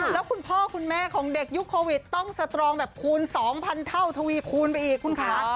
แล้วคุณพ่อคุณแม่ของเด็กยุคโควิดต้องสตรองแบบคูณ๒๐๐เท่าทวีคูณไปอีกคุณคะ